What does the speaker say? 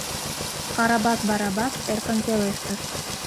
— Карабас Барабас эркын пелештыш.